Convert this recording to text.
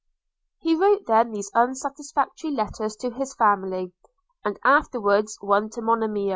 He wrote then these unsatisfactory letters to his family; and afterwards one to Monimia.